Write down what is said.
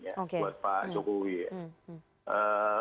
buat pak jokowi ya